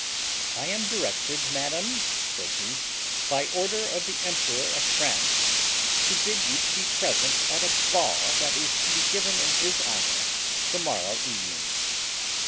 "I am directed, madam," said he, "by order of the Emperor of France, to bid you to be present at a ball that is to be given in his honor to morrow evening."